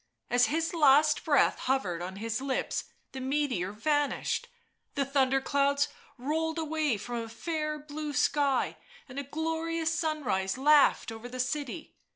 As his last breath hovered on his lips the meteor vanished, the thunder clouds rolled away from a fair blue sky and a glorious sun rise laughed over the city.